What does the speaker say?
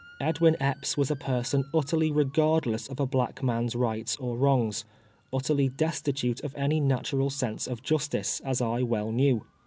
Edwin Epps was a person utter ly regardless of a black man's rights or wrongs — ut terly destitute of any natural sense of justice, as I well knew.